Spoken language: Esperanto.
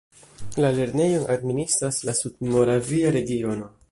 La lernejon administras la Sudmoravia regiono.